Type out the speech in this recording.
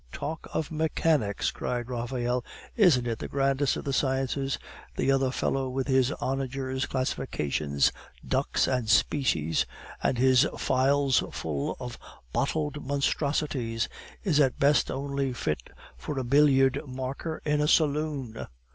"Talk of mechanics!" cried Raphael; "isn't it the greatest of the sciences? The other fellow with his onagers, classifications, ducks, and species, and his phials full of bottled monstrosities, is at best only fit for a billiard marker in a saloon."